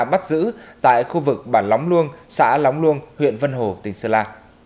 bắt giữ tại khu vực bản lóng luông xã lóng luông huyện vân hồ tỉnh sơn la